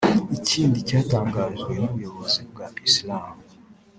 Ikindi cyatangajwe n’ubuyobozi bwa Islam